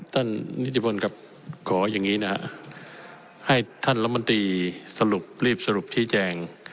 นิติพลครับขออย่างนี้นะฮะให้ท่านรัฐมนตรีสรุปรีบสรุปชี้แจง